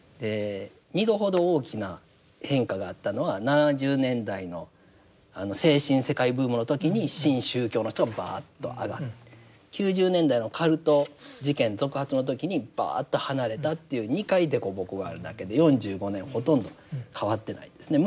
二度ほど大きな変化があったのは７０年代のあの精神世界ブームの時に新宗教の人がバーッと上がって９０年代のカルト事件続発の時にバーッと離れたという２回凸凹があるだけで４５年ほとんど変わってないんですね。